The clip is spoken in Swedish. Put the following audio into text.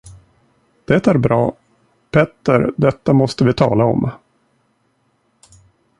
Det är bra, Petter detta måste vi tala om!